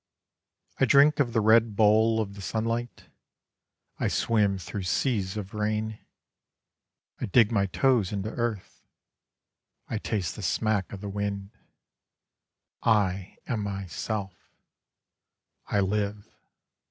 I drink of the red bowl of the sunlight: I swim through seas of rain: I dig my toes into earth: I taste the smack of the wind: I am myself: I live.